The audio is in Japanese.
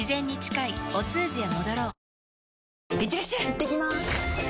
いってきます！